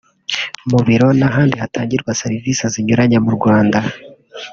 Mu biro n’ahandi hatangirwa serivisi zinyuranye mu Rwanda